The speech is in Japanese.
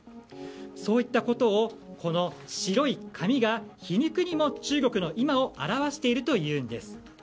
そういったことをこの白い紙が皮肉にも、中国の今を表しているというんです。